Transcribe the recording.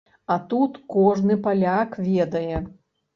А тут кожны паляк ведае.